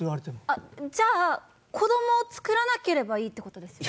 あっじゃあ子供をつくらなければいいってことですよね？